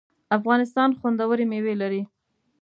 افغانستان خوندوری میوی لري